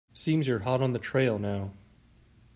Seems you're hot on the trail now.